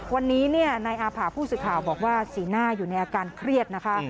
วันนี้นายอาผ่าผู้สื่อข่าวบอกว่าสีหน้าอยู่ในอาการเครียดนะคะ